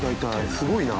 すごいな。